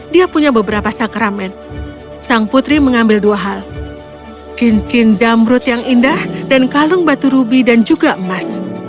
dia punya beberapa sakramen sang putri mengambil dua hal cincin jamrut yang indah dan kalung batu rubi dan juga emas